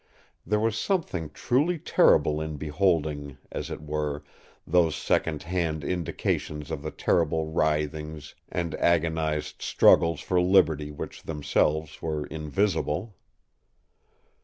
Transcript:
There was something truly terrible in beholding, as it were, those second hand indications of the terrible writhings and agonized struggles for liberty which themselves were invisible.